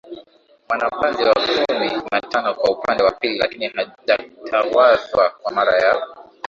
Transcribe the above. Mwanabanzi wa kumi na tano kwa upande wa pili lakini hajatawazwa kwa mara ya